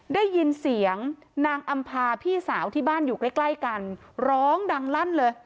ได้ยินเสียงนางอำภาพี่สาวที่บ้านอยู่ใกล้กันร้องดังลั่นเลย